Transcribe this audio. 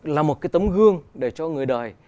là một cái tấm gương để cho người đời